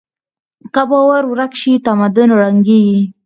که باور ورک شي، تمدن ړنګېږي.